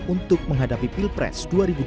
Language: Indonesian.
untuk menghadapi pilpres dua ribu dua puluh